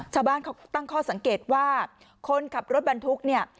ชาวบ้านเขาตั้งข้อสังเกตว่าคนขับรถบรรทุกเนี่ย